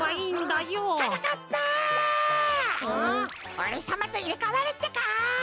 おれさまといれかわるってか！